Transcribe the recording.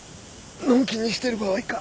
のんきにしてる場合か！